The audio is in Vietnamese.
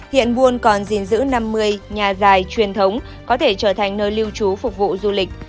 hiện buôn còn gìn giữ năm mươi nhà dài truyền thống có thể trở thành nơi lưu trú phục vụ du lịch